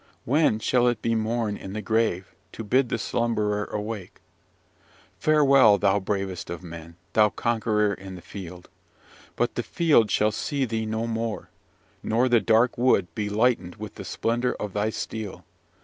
When shall it be morn in the grave, to bid the slumberer awake? Farewell, thou bravest of men! thou conqueror in the field! but the field shall see thee no more, nor the dark wood be lightened with the splendour of thy steel.